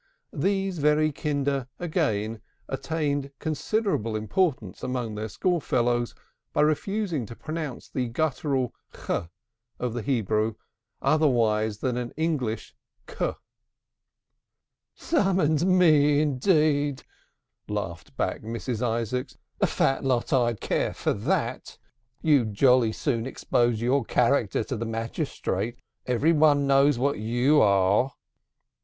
These very kinder, again, attained considerable importance among their school fellows by refusing to pronounce the guttural "ch" of the Hebrew otherwise than as an English "k." "Summons me, indeed," laughed back Mrs. Isaacs. "A fat lot I'd care for that. You'd jolly soon expose your character to the magistrate. Everybody knows what you are."